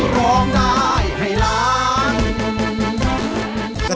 ร้องได้ให้ล้าน